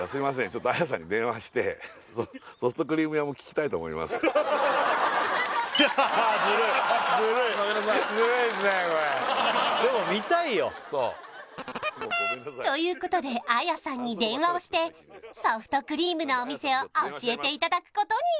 ちょっとアヤさんに電話してソフトクリーム屋も聞きたいと思いますごめんなさいズルイですねこれということでアヤさんに電話をしてソフトクリームのお店を教えていただくことに！